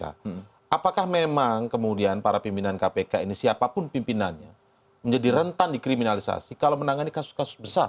apakah memang kemudian para pimpinan kpk ini siapapun pimpinannya menjadi rentan dikriminalisasi kalau menangani kasus kasus besar